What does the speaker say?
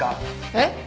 えっ？